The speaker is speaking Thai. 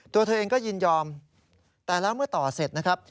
ตัวเธอเองก็ยินยอมแต่แล้วเมื่อต่อเสร็จนะครับ